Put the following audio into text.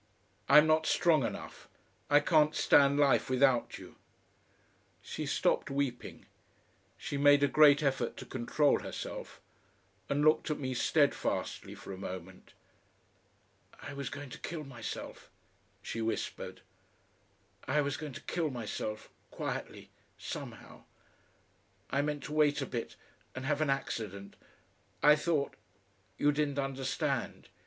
"I'm not strong enough I can't stand life without you." She stopped weeping, she made a great effort to control herself, and looked at me steadfastly for a moment. "I was going to kill myself," she whispered. "I was going to kill myself quietly somehow. I meant to wait a bit and have an accident. I thought you didn't understand.